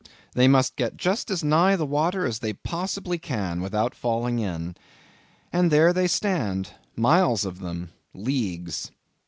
They must get just as nigh the water as they possibly can without falling in. And there they stand—miles of them—leagues.